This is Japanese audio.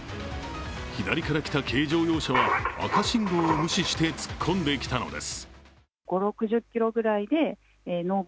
左から来た軽乗用車は赤信号を無視して突っ込んできたのです。